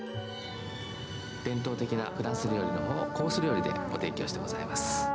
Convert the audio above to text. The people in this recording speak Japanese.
伝統的なフランス料理のほうを、コース料理でご提供してございます。